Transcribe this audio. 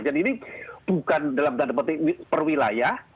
jadi ini bukan dalam tanda petik perwilayah